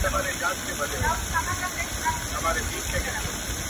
تلویزیون کورنۍ سره راټولوي